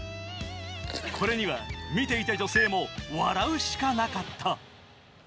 これには見ていた女性も笑うしかなかった。